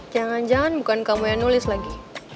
jangan jangan bukan kamu yang nulis lagi